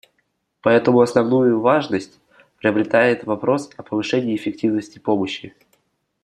Поэтому основную важность приобретает вопрос о повышении эффективности помощи.